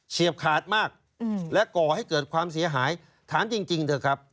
ขาดมากและก่อให้เกิดความเสียหายถามจริงเถอะครับ